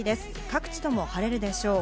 各地とも晴れるでしょう。